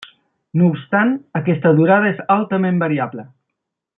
No obstant aquesta durada és altament variable.